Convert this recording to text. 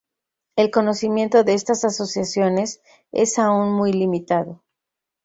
El conocimiento de estas asociaciones es aún muy limitado.